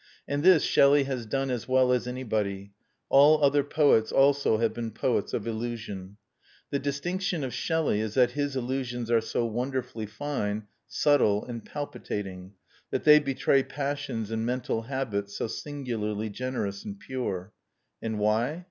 And this Shelley has done as well as anybody: all other poets also have been poets of illusion. The distinction of Shelley is that his illusions are so wonderfully fine, subtle, and palpitating; that they betray passions and mental habits so singularly generous and pure. And why?